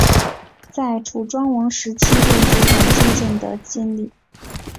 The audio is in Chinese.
在楚庄王时期任主管进谏的箴尹。